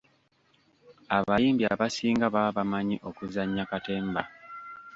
Abayimbi abasinga baba bamanyi okuzannya katemba.